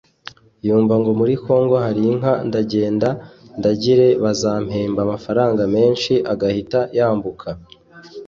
yumva ngo muri Congo hari inka ndagenda ndagire bazampemba amafaranga menshi agahita yambuka